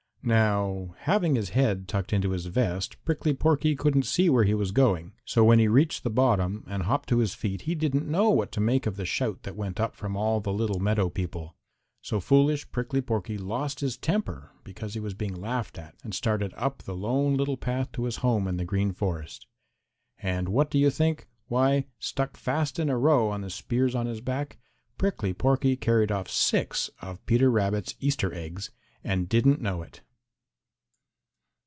Now, having his head tucked into his vest, Prickly Porky couldn't see where he was going, so when he reached the bottom and hopped to his feet he didn't know what to make of the shout that went up from all the little meadow people. So foolish Prickly Porky lost his temper because he was being laughed at, and started off up the Lone Little Path to his home in the Green Forest. And what do you think? Why, stuck fast in a row on the spears on his back, Prickly Porky carried off six of Peter Rabbit's Easter eggs, and didn't know it.